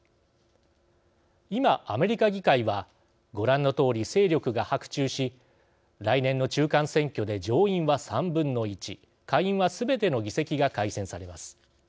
今アメリカ議会はご覧のとおり勢力が伯仲し来年の中間選挙で上院は３分の１下院はすべての議席が改選されます。